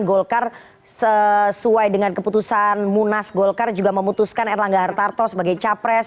golkar sesuai dengan keputusan munas golkar juga memutuskan erlangga hartarto sebagai capres